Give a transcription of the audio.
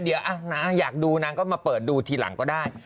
เดี๋ยวนางอยากดูนางก็มาเปิดดูทีหลังก็ได้